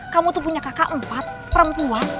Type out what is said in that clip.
kamu tuh punya kakak empat perempuan